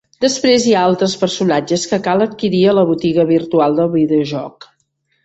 Després hi ha altres personatges que cal adquirir a la botiga virtual del videojoc.